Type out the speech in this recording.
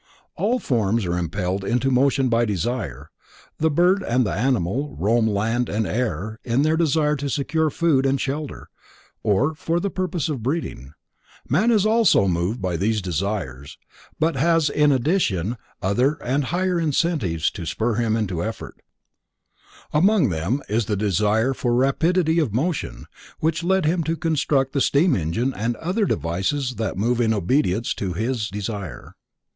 All forms are impelled into motion by desire:—the bird and the animal roam land and air in their desire to secure food and shelter, or for the purpose of breeding, man is also moved by these desires, but has in addition other and higher incentives to spur him to effort, among them is desire for rapidity of motion which led him to construct the steam engine and other devices that move in obedience to his desire.